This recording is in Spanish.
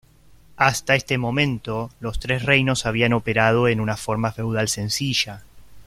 Hasta este momento, los tres reinos habían operado en una forma feudal sencilla.